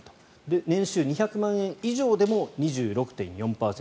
年収２００万円以上でも２６．４％。